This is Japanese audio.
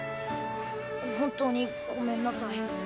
本当にごめんなさい。